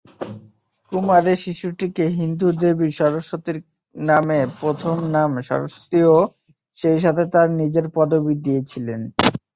কুমারী শিশুটিকে হিন্দু দেবী সরস্বতীর নামে প্রথম নাম "সরস্বতী" এবং সেইসাথে তার নিজের পদবি দিয়েছিলেন।